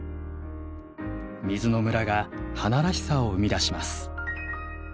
水のムラが花らしさを生み出します。